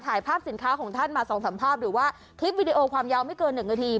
ถ่ายภาพสินค้าของท่านมา๒๓ภาพหรือว่าคลิปวิดีโอความยาวไม่เกิน๑นาที